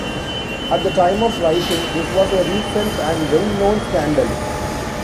At the time of writing, this was a recent and well-known scandal.